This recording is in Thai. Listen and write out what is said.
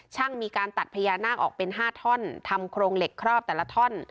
ช่างมีการตัดพญานาคออกเป็น๕ท่อนทำโครงเหล็กครอบแต่ละท่อน